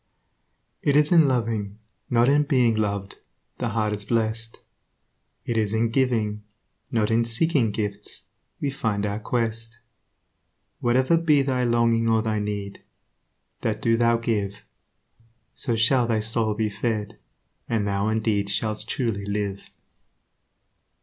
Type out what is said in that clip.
It is in loving, not in being loved, The heart is blessed; It is in giving, not in seeking gifts, We find our quest. Whatever be thy longing or thy need, That do thou give; So shall thy soul be fed, and thou indeed Shalt truly live.